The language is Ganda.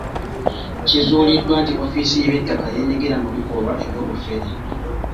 Kizuuliddwa nti ofiisi y’eby'ettaka yeenyigira mu bikolwa eby'obufere.